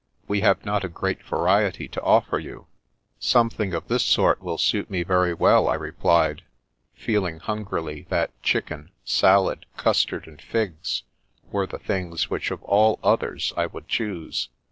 We have not a great variety to offer you." " Something of this sort will suit me y&ry well," I replied, feeling hungrily that chicken, salad, cus tard, and figs were the things whidi of all others I would choose.